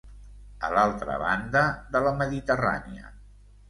A l’altra banda de la Mediterrània.